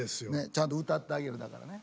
ちゃんと歌ってあげるだからね。